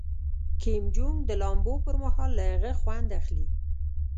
کیم جونګ د لامبو پر مهال له هغه خوند اخلي.